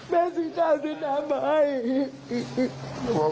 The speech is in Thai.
แม่สุดท้ายสุดท้ายมาให้